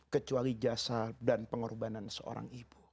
kecuali jasa dan pengorbanan seorang ibu